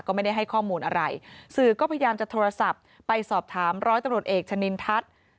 ก็ไม่ได้ให้ข้อมูลอะไรสื่อก็พยายามจะโทรศัพท์ไปสอบถามร้อยตำรวจเอกชะนินทัศน์